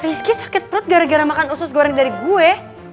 rizky sakit perut gara gara makan usus goreng dari gue